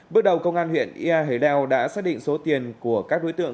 bước đầu công an huyện yà hời đeo đã xác định số tiền của các đối tượng